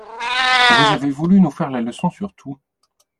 Vous avez voulu nous faire la leçon sur tout.